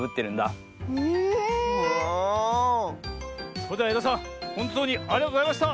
それではえださんほんとうにありがとうございました！